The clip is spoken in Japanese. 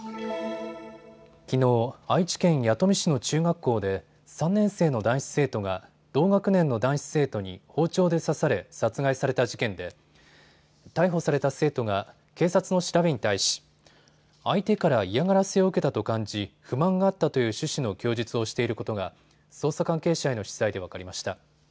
きのう、愛知県弥富市の中学校で３年生の男子生徒が同学年の男子生徒に包丁で刺され殺害された事件で逮捕された生徒が警察の調べに対し相手から嫌がらせを受けたと感じ不満があったという趣旨の供述をしていることが捜査関係者への取材で分かりました。